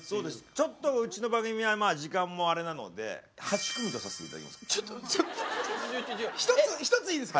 ちょっとうちの番組はまあ時間もあれなので８組とさせて頂きます。